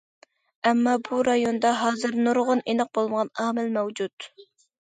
ئەمما بۇ رايوندا ھازىر نۇرغۇن ئېنىق بولمىغان ئامىل مەۋجۇت.